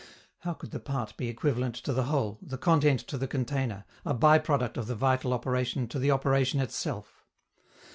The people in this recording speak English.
How could the part be equivalent to the whole, the content to the container, a by product of the vital operation to the operation itself?